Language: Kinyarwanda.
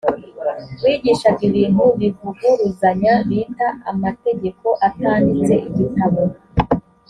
wigishaga ibintu bivuguruzanya bita amategeko atanditse igitabo